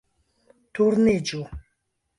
Turniĝu